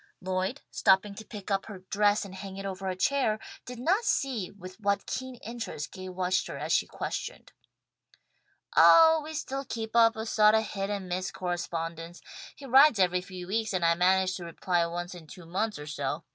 Lloyd, stooping to pick up her dress and hang it over a chair, did not see with what keen interest Gay watched her as she questioned. "Oh, we still keep up a sawt of hit and miss correspondence. He writes every few weeks and I manage to reply once in two months or so.